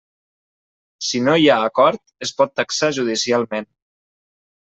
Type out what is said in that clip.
Si no hi ha acord, es pot taxar judicialment.